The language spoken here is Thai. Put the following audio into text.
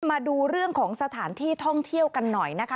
มาดูเรื่องของสถานที่ท่องเที่ยวกันหน่อยนะคะ